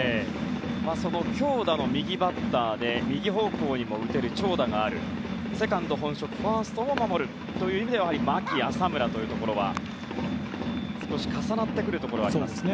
強打の右バッターで右方向にも打てる長打もある、セカンド本職ファーストも守れるとなると牧、浅村は少し重なってくるところがあります。